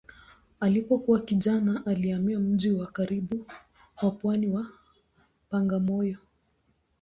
Alipokuwa kijana alihamia mji wa karibu wa pwani wa Bagamoyo.